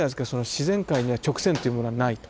自然界には直線っていうものはないと。